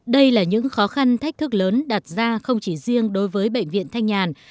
đây là những khó khăn thách thức lớn đặt ra không chỉ riêng đối với bệnh viện thanh nhàn